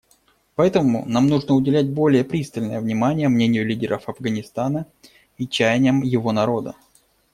Поэтому нам нужно уделять более пристальное внимание мнению лидеров Афганистана и чаяниям его народа.